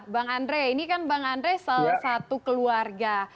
bang andre ini kan bang andre salah satu keluarga